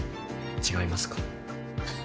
違いますか？